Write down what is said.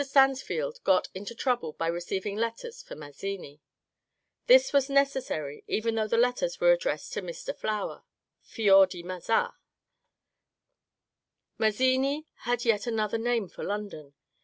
Stansfeld got into trouble by receiving letters for Mazzini. This was necessary 68 MONCURE DANIEL CONWAY even though the letters were addressed to ^^ Mr. Flower " (Fior di Mazza ?). Mazzini had yet another name for London.